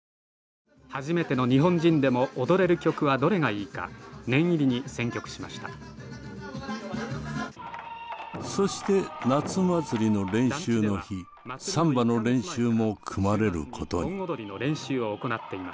初めての日本人でも踊れる曲はどれがいいか念入りに選曲しましたそして夏祭りの練習の日サンバの練習も組まれることに。